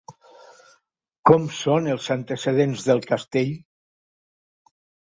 Com són els antecedents del castell?